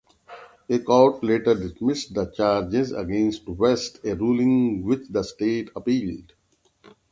A court later dismissed the charges against West, a ruling which the state appealed.